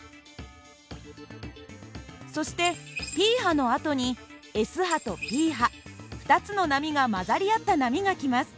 そしてＰ波のあとにＳ波とＰ波２つの波が混ざり合った波が来ます。